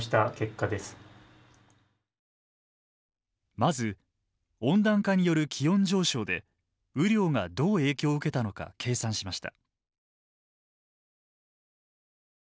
まず温暖化による気温上昇で雨量がどう影響を受けたのか計算しました。